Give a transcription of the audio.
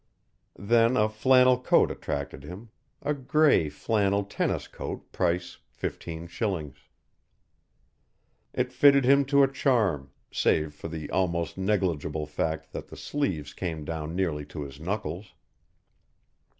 Then a flannel coat attracted him, a grey flannel tennis coat price fifteen shillings. It fitted him to a charm, save for the almost negligible fact that the sleeves came down nearly to his knuckles.